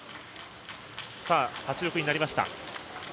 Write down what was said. ８−６になりました。